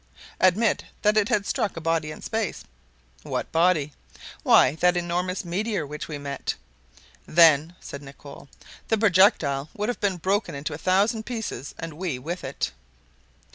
"Admit that it had struck a body in space." "What body?" "Why that enormous meteor which we met." "Then," said Nicholl, "the projectile would have been broken into a thousand pieces, and we with it."